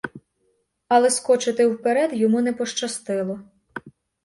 Але скочити вперед йому не пощастило.